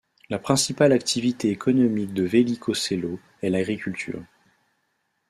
La principale activité économique de Veliko Selo est l'agriculture.